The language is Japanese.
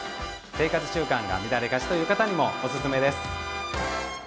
生活習慣が乱れがちという方にもおすすめです。